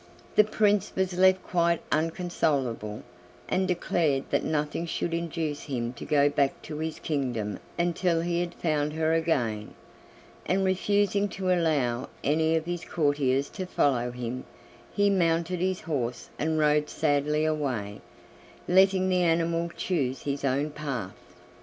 The Prince was left quite unconsolable, and declared that nothing should induce him to go back to his kingdom until he had found her again, and refusing to allow any of his courtiers to follow him, he mounted his horse and rode sadly away, letting the animal choose his own path.